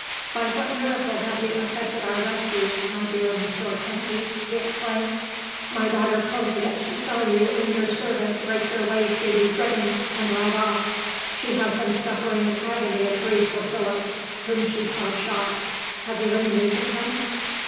"By what miracle have you effected our rescue, my dear Monsieur Kennedy?" he exclaimed. "My daughter told me that she saw you and your servant break your way through these brigands, and ride off. She has been suffering an agony of grief for Philip, whom she saw shot. Have you any news of him?"